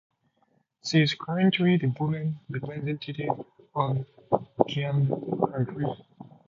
She is currently the woman representative of Kiambu County.